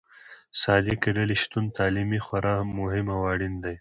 صادقې ډلې شتون تعلیمي خورا مهم او اړين دي.